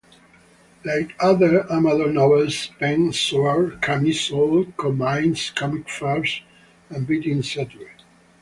Like other Amado novels, "Pen, Sword, Camisole" combines comic farce and biting satire.